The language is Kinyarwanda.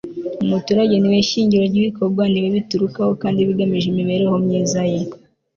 umuturage niwe shingiro ry'ibikorwa ni we biturukaho, kandi bigamije imibereho myiza ye